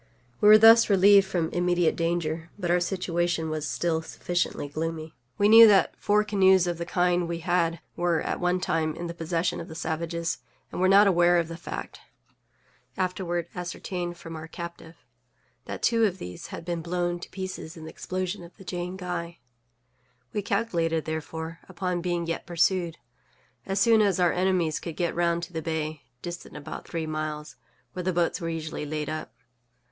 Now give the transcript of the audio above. We were thus relieved from immediate danger, but our situation was still sufficiently gloomy. We knew that four canoes of the kind we had were at one time in the possession of the savages, and were not aware of the fact (afterward ascertained from our captive) that two of these had been blown to pieces in the explosion of the _Jane Guy._We calculated, therefore, upon being yet pursued, as soon as our enemies could get round to the bay (distant about three miles) where the boats were usually laid up.